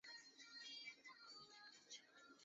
第一校区横跨高雄市燕巢区与楠梓区。